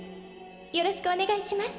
よろしくお願いします